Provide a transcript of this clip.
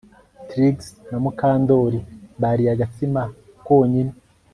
Trix na Mukandoli bariye agatsima konyine